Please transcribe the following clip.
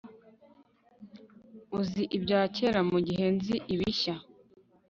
Uzi ibya kera mugihe nzi ibishya